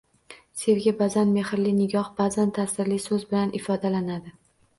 Sevgi ba’zan mehrli nigoh, ba’zan ta’sirli so‘z bilan ifodalanadi.